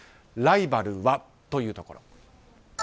ライバルは？というところ。